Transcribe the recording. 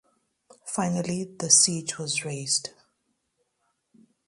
Finally, the siege was raised.